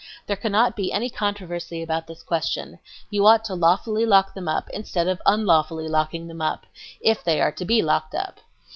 There cannot be any controversy about this question .... You ought to lawfully lock them up instead of unlawfully locking them up—if they are to be locked up